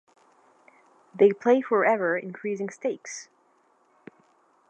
They play for ever increasing stakes.